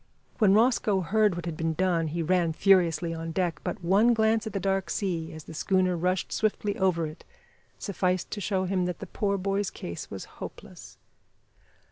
When Rosco heard what had been done he ran furiously on deck, but one glance at the dark sea, as the schooner rushed swiftly over it sufficed to show him that the poor boy's case was hopeless.